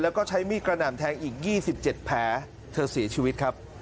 แล้วก็ใช้มีดกระหน่ำแทงอีก๒๗แผลเธอเสียชีวิตครับ